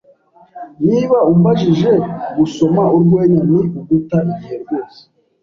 Niba umbajije, gusoma urwenya ni uguta igihe rwose.